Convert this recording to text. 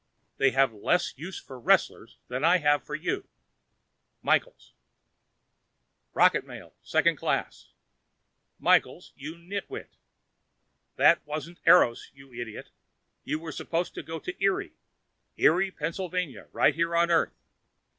They have less use for wrestlers than I have for you. Michaels ROCKET MAIL (Second Class) Michaels, you nitwit: That wasn't Eros, you idiot! You were supposed to go to Erie Erie, Pa., right here on Earth!